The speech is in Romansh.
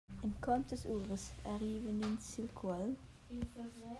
En contas uras arrivan ins sil cuolm?